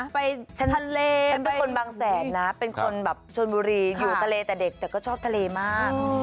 ไปทะเลฉันเป็นคนบางแสนนะเป็นคนแบบชนบุรีอยู่ทะเลแต่เด็กแต่ก็ชอบทะเลมาก